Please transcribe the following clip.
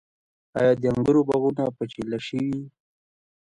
آیا د انګورو باغونه په چیله شوي؟